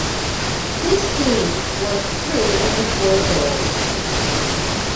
His teams won three of the four bowls.